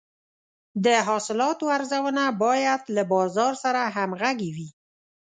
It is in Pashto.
د حاصلاتو ارزونه باید له بازار سره همغږې وي.